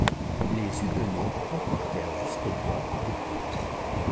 Les huguenots emportèrent jusqu'au bois des poutres.